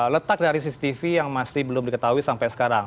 letak dari cctv yang masih belum diketahui sampai sekarang